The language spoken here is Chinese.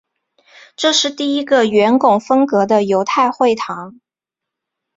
这是第一个圆拱风格的犹太会堂。